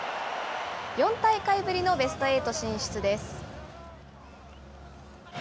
４大会ぶりのベストエイト進出です。